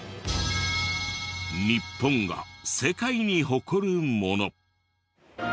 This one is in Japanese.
日本が世界に誇るもの。